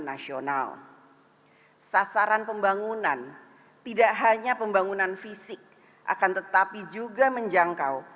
nasional sasaran pembangunan tidak hanya pembangunan fisik akan tetapi juga menjangkau